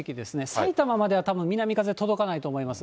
埼玉まではたぶん南風届かないと思います。